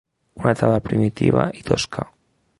Una taula primitiva i tosca.